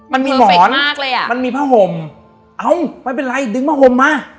มันมีผ้าห่มเอาไม่เป็นไรดึงผ้าห่มมา